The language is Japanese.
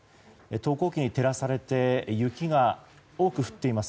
投光機に照らされて雪が多く降っています。